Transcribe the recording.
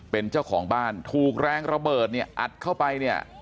เป็นเจ้าของบ้านถูกแรงระเบิดอัดเข้าไป